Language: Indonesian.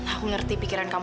aku ngerti pikiran kamu